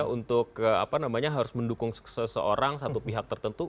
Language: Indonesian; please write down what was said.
untuk harus mendukung seseorang satu pihak tertentu